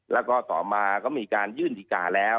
แล้วก็ต่อมาก็มีการยื่นดีการ์แล้ว